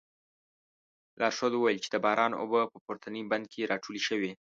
لارښود وویل چې د باران اوبه په پورتني بند کې راټولې شوې.